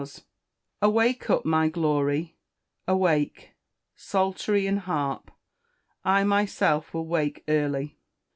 [Verse: "Awake up, my glory; awake, psaltery and harp: I myself will awake early."